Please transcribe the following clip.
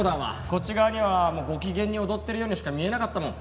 こっち側にはご機嫌に踊ってるようにしか見えなかったもん。